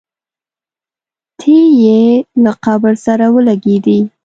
تی یې له قبر سره ولګېدی.